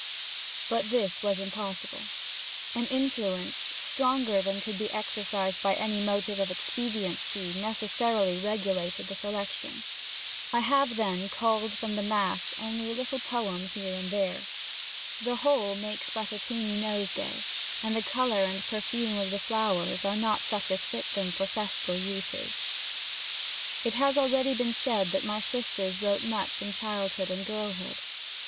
But this was impossible: an influence, stronger than could be exercised by any motive of expediency, necessarily regulated the selection. I have, then, culled from the mass only a little poem here and there. The whole makes but a tiny nosegay, and the colour and perfume of the flowers are not such as fit them for festal uses. It has been already said that my sisters wrote much in childhood and girlhood.